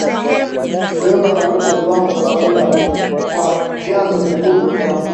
imeweka kanuni za viwango vya kawaida kwa vyanzo vikuu vya uchafuzi